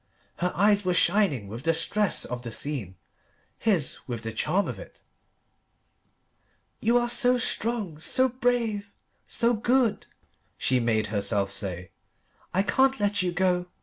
Her eyes were shining with the stress of the scene: his with the charm of it. "You are so strong, so brave, so good," she made herself say. "I can't let you go.